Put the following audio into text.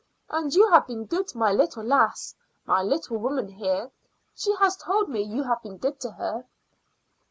"And you have been good to my little lass my little woman here. She has told me you have been good to her."